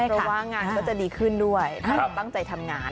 เพราะว่างานก็จะดีขึ้นด้วยถ้าเราตั้งใจทำงาน